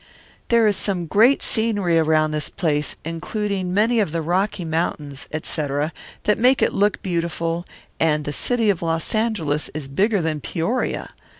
There is some great scenery around this place, including many of the Rocky Mtns. etc. that make it look beautiful, and the city of Los Angeles is bigger than Peoria.